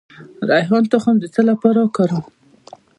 د ریحان تخم د څه لپاره وکاروم؟